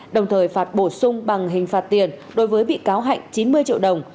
đồng thời phạt bổ sung bằng hình phạt tiền đối với bị cáo hạnh chín mươi triệu đồng